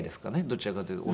どちらかというと。